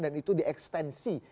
dan itu di ekstensi